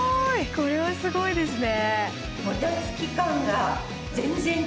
これはすごいですね